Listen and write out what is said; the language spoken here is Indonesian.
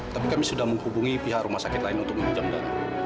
tapi kami sudah menghubungi pihak rumah sakit lain untuk meminjam dana